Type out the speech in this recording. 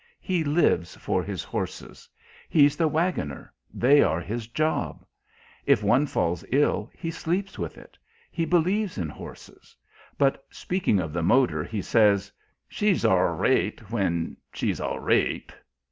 He lives for his horses; he's the "Waggoner," they are his "job;" if one falls ill, he sleeps with it. He believes in horses; but, speaking of the motor, he says: "She's arlraight when she's arlraight!"